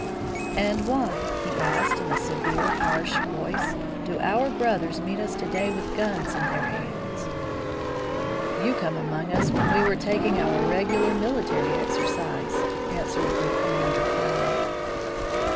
"And why," he asked, in a severe, harsh voice, "do our brothers meet us to day with guns in their hands?" "You come among us when we are taking our regular military exercise," answered the commander calmly.